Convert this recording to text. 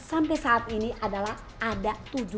uang ini adalah ada tujuh belas